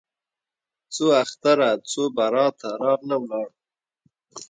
څو اختره څو براته راغله ولاړه